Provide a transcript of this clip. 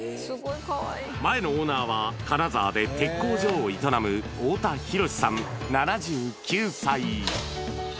前のオーナーは、金沢で鉄工所を営む太田弘さん７９歳。